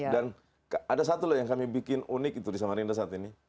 dan ada satu yang kami bikin unik di samarinda saat ini